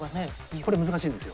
これ難しいんですよ。